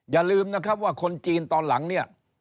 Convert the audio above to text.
อย่าลืมนะครับว่าคนจีนตอนหลังเนี่ย